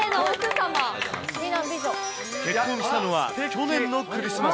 結婚したのは、去年のクリスマス。